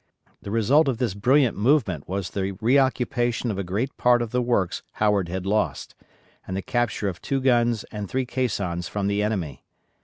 The result of this brilliant movement was the reoccupation of a great part of the works Howard had lost, and the capture of two guns and three caissons from the enemy.